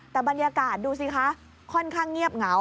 แต่บรรยากาศดูสิคะค่อนข้างเงียบเหงา